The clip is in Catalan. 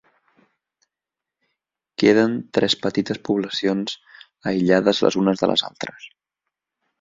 Queden tres petites poblacions aïllades les unes de les altres.